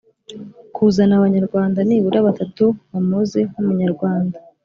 kuzana abanyarwanda nibura batatu bamuzi nk’umunyarwanda